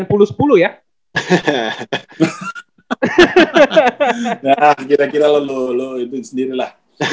nah kira kira lo itu sendiri lah